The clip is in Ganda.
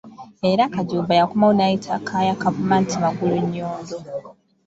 Era Kajumba yakomawo n'ayita Kaaya Kavuma nti Magulunnyondo.